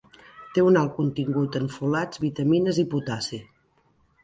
Té un alt contingut en folats, vitamines i potassi.